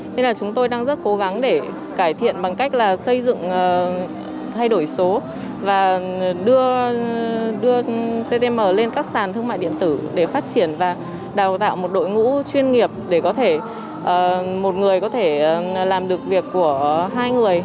nên là chúng tôi đang rất cố gắng để cải thiện bằng cách là xây dựng thay đổi số và đưa ttm lên các sàn thương mại điện tử để phát triển và đào tạo một đội ngũ chuyên nghiệp để có thể một người có thể làm được việc của hai người